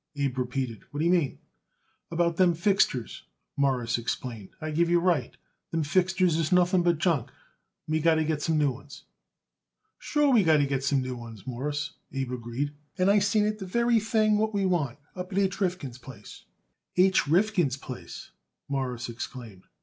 Abe repeated. "What d'ye mean?" "About them fixtures," Morris explained. "I give you right. Them fixtures is nothing but junk, and we got to get some new ones." "Sure we got to get some new ones, Mawruss," Abe agreed, "and I seen it the very thing what we want up at H. Rifkin's place." "H. Rifkin's place," Morris exclaimed.